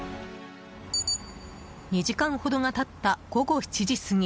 ２時間ほどが経った午後７時過ぎ。